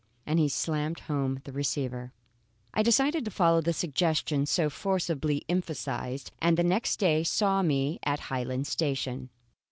And he slammed home the receiver. I decided to follow the suggestion so forcibly emphasized; and the next day saw me at Highland Station.